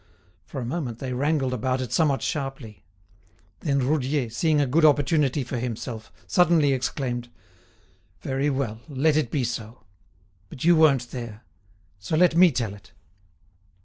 For a moment they wrangled about it somewhat sharply. Then Roudier, seeing a good opportunity for himself, suddenly exclaimed: "Very well, let it be so. But you weren't there. So let me tell it."